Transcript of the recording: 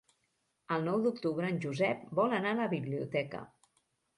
El nou d'octubre en Josep vol anar a la biblioteca.